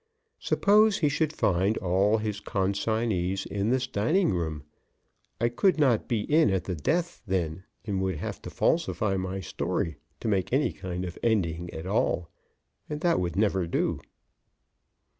Suppose he should find all of his consignees in this dining room! I could not be in at the death then, and would have to falsify my story to make any kind of ending at all. And that would never do.